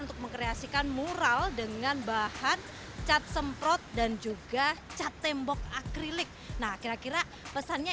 untuk mengkreasikan mural dengan bahan cat semprot dan juga cat tembok akrilik nah kira kira pesannya